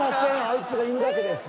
あいつが言うだけです。